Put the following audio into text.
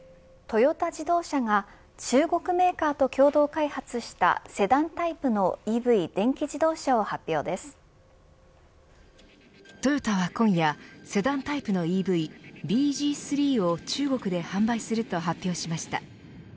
トヨタ自動車が中国メーカーと共同開発したセダンタイプのトヨタは今夜セダンタイプのＥＶｂＺ３を中国で販売すると発表しました。